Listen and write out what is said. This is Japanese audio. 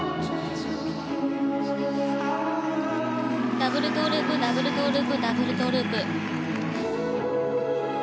ダブルトウループダブルトウループダブルトウループ。